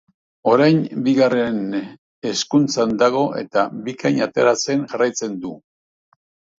Orain Bigarren Hezkuntzan dago eta Bikain ateratzen jarraitzen du.